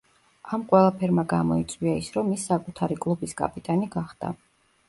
ამ ყველაფერმა გამოიწვია ის, რომ ის საკუთარი კლუბის კაპიტანი გახდა.